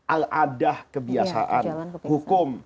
al adah kebiasaan hukum